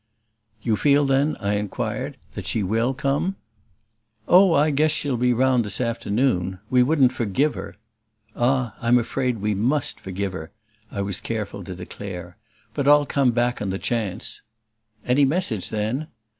"You feel then," I inquired, "that she will come?" "Oh, I guess she'll be round this afternoon. We wouldn't forgive her !" "Ah, I'm afraid we MUST forgive her!" I was careful to declare. "But I'll come back on the chance." "Any message then?"